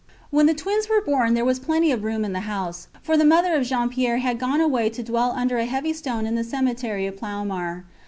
When the twins were born there was plenty of room in the house, for the mother of Jean Pierre had gone away to dwell under a heavy stone in the cemetery of Ploumar.